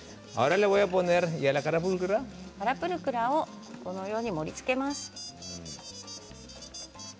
カラプルクラをこのように盛りつけます。